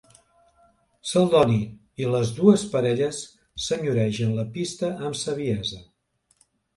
Celdoni i les dues parelles senyoregen la pista amb saviesa.